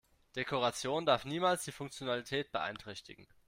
Dekoration darf niemals die Funktionalität beeinträchtigen.